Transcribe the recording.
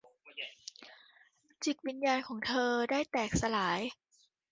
จิตวิญญาณของเธอได้แตกสลาย